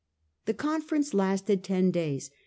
The conference lasted ten days.